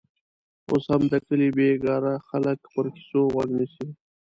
اوس هم د کلي بېکاره خلک پر کیسو غوږ نیسي.